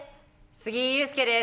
杉井勇介です。